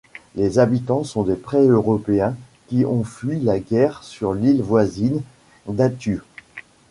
Les habitants sont des pré-européens qui ont fui la guerre sur l'île voisine d'Atiu.